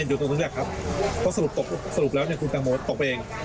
คุณจังโมเส๋าก็ตกไปเอง